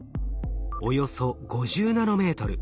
およそ５０ナノメートル。